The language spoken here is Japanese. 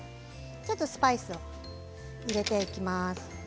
ちょっとスパイスを入れていきます。